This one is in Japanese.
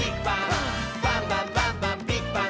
「バンバンバンバンビッグバン！」